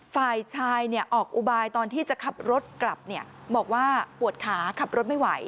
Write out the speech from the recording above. ฝ่ายชายออกอุบายตอนที่จะขับรถกลับบอกว่าปวดขาขับรถไม่ไหว